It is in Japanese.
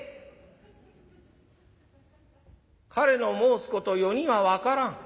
「彼の申すこと余には分からん。